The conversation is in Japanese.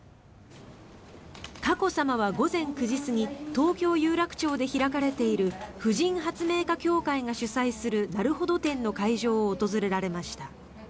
佳子さまは午前９時過ぎ東京・有楽町で開かれている婦人発明家協会が主催するなるほど展の会場を訪れられました。